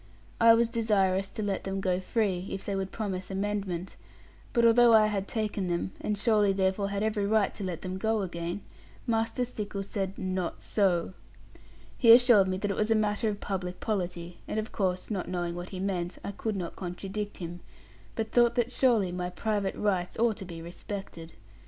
I was desirous to let them go free, if they would promise amendment; but although I had taken them, and surely therefore had every right to let them go again, Master Stickles said, 'Not so.' He assured me that it was a matter of public polity; and of course, not knowing what he meant, I could not contradict him; but thought that surely my private rights ought to be respected.